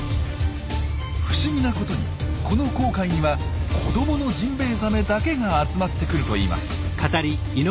不思議なことにこの紅海には子どものジンベエザメだけが集まってくるといいます。